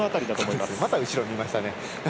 また後ろにいましたね。